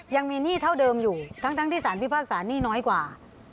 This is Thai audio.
หนี้เท่าเดิมอยู่ทั้งที่สารพิพากษาหนี้น้อยกว่า